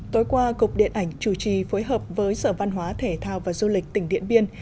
tối qua cục điện ảnh chủ trì phối hợp với sở văn hóa thể thao và du lịch tỉnh điện biên